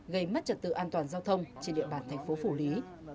gây mất trật tự an toàn giao thông trên địa bàn thành phố phủ lý